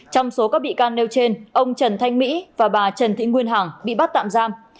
trong số các bị can nêu trên ông trần thanh mỹ và bà trần thị nguyên hằng bị bắt tạm giam